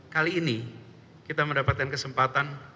kali ini kita mendapatkan kesempatan